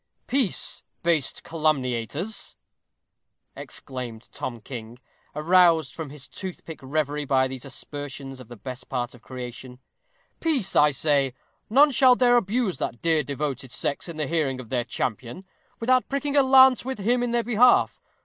_ "Peace, base calumniators," exclaimed Tom King, aroused from his toothpick reverie by these aspersions of the best part of creation. "Peace, I say. None shall dare abuse that dear devoted sex in the hearing of their champion, without pricking a lance with him in their behalf.